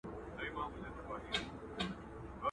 وايي تبلیغ دی د کافرانو!٫.